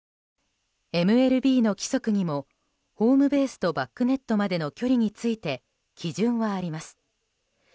ＭＬＢの規則にもホームベースとバックネットまでの距離について基準はあります。